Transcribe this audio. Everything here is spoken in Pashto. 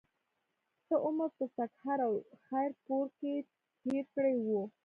څۀ عمر پۀ سکهر او خېر پور کښې تير کړے وو